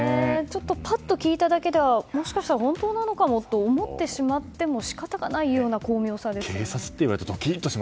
ぱっと聞いただけではもしかしたら本当なのかもと思ってしまっても仕方がないような巧妙さですね。